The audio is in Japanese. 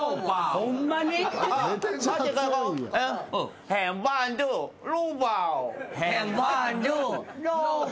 ホンマか？